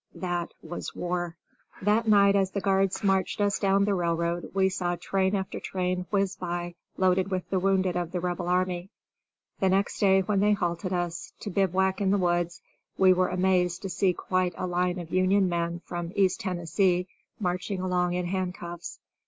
That was war. That night as the guards marched us down the railroad we saw train after train whiz by loaded with the wounded of the Rebel army. The next day when they halted us, to bivouac in the woods, we were amazed to see quite a line of Union men from East Tennessee marching along in handcuffs.